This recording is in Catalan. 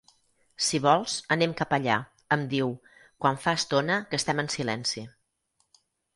Si vols, anem cap allà —em diu, quan fa estona que estem en silenci—.